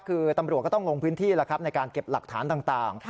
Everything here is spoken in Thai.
คือตำรวจก็ต้องลงพื้นที่แล้วครับในการเก็บหลักฐานต่าง